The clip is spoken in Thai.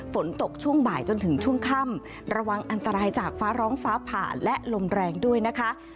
ฝนตกช่วงบ่ายจนถึงช่วงค่ำระวังอันตรายจากฟ้าร้องฟ้าผ่าและลมแรงด้วยนะคะ